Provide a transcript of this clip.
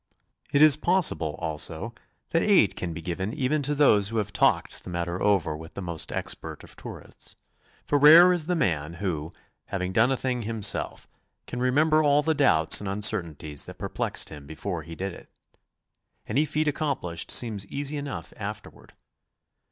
It is possible, also, that aid can be given even to those who have talked the matter over with the most expert of tourists, for rare is the man who, having done a thing himself, can remember all the doubts and uncertainties that perplexed him before he did it. Any feat accomplished seems easy enough after ward.